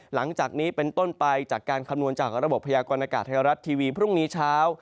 หลังจากนี้เป็นต้นไปจากการคำนวณจากระบบพยากรณากาศไทยรัฐทีวีพรุ่งนี้เช้า